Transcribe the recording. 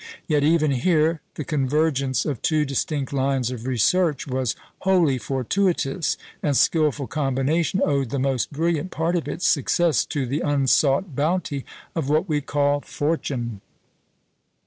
Yet even here the convergence of two distinct lines of research was wholly fortuitous, and skilful combination owed the most brilliant part of its success to the unsought bounty of what we call Fortune.